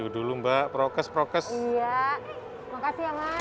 dulu mbak prokes prokes ya makasih ya mas